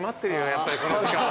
やっぱりこの時間。